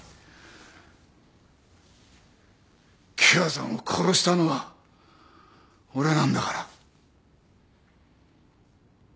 喜和さんを殺したのは俺なんだから。